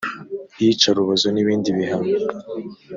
iyicarubozo n ibindi bihano